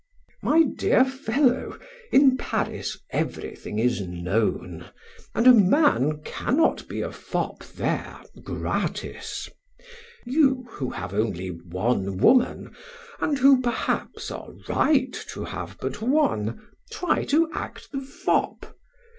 My dear fellow, in Paris everything is known, and a man cannot be a fop there gratis. You, who have only one woman, and who, perhaps, are right to have but one, try to act the fop!...